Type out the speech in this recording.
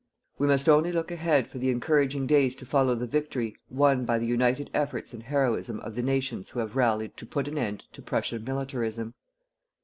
We must only look ahead for the encouraging days to follow the victory won by the united efforts and heroism of the nations who have rallied to put an end to Prussian militarism.